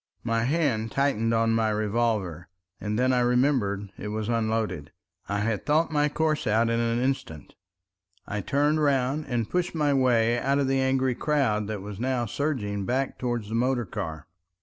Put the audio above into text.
My hand tightened on my revolver, and then I remembered it was unloaded. I had thought my course out in an instant. I turned round and pushed my way out of the angry crowd that was now surging back towards the motor car.